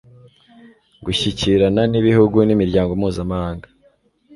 gushyikirana n'ibihugu n'imiryango mpuzamahanga